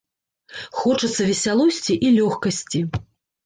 Хочацца весялосці і лёгкасці.